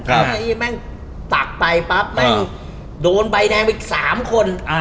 ตหังไปปั๊บแมหงโดนใบแดงไป๓คน